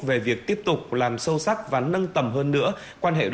về việc tiếp tục làm sâu sắc và nâng tầm hơn nữa quan hệ đối tác